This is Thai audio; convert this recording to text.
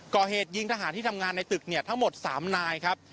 ก่อเหตุยิงทหารที่ทำงานในตึกเนี่ยทั้งหมด๓นายครับ